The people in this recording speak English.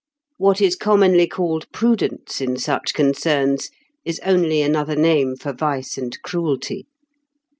What is commonly called prudence in such concerns is only another name for vice and cruelty.